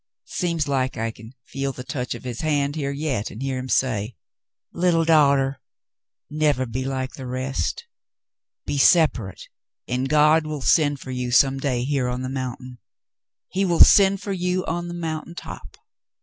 Seems like I can feel the touch of his hand here yet and hear him say: 'Little daughter, never be like the rest. Be separate, and God will send for you some day here on the mountain. He will send for you on the mountain top.